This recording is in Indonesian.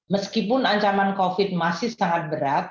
meskipun ancaman covid masih sangat berat